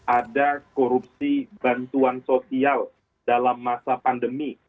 ada korupsi bantuan sosial dalam masa pandemi